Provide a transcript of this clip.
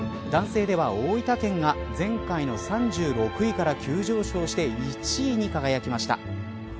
男性では大分県が前回の３６位から急上昇して１位に輝きました。